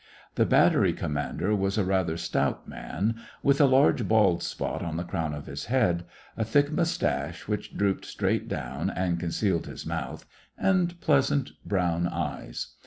The battery commander was a rather stout man, with a large bald spot on the crown of his head, a thick moustache, which drooped straight down and concealed his mouth, and pleasant brown eyes.